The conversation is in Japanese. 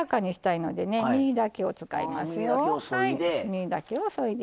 実だけをそいで。